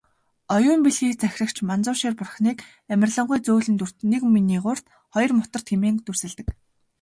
Оюун билгийг захирагч Манзушир бурхныг "амарлингуй зөөлөн дүрт, нэг нигуурт, хоёрт мутарт" хэмээн дүрсэлдэг.